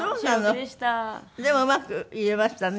でもうまく言えましたね。